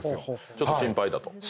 ちょっと心配だと。